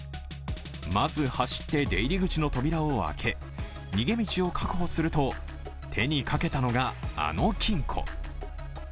まず走って出入り口の扉を開け、逃げ道を確保すると手にかけたのが、あの金庫。